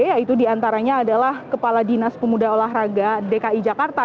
yaitu diantaranya adalah kepala dinas pemuda olahraga dki jakarta